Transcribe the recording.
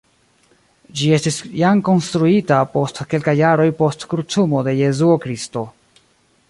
Ĝi estis jam konstruita post kelkaj jaroj post krucumo de Jesuo Kristo.